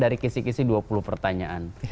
dari kisi kisih dua puluh pertanyaan